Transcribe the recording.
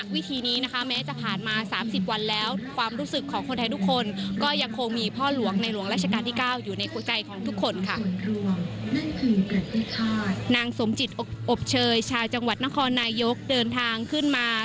อบเชยชายจังหวัดนครนายยกเดินทางขึ้นมา